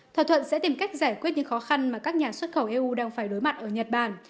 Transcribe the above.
thỏa thuận sẽ tìm cách giải quyết những khó khăn mà các nhà xuất khẩu eu đang phải đối mặt ở nhật bản